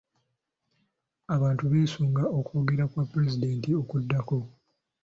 Abantu beesunga okwogera kwa pulezidenti okuddako.